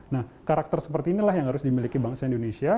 nah karakter seperti inilah yang harus dimiliki bangsa indonesia